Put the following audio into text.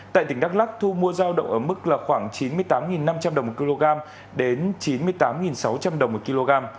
tại tỉnh đắk lắc thu mua giao động ở mức là khoảng chín mươi tám năm trăm linh đồng một kg đến chín mươi tám sáu trăm linh đồng một kg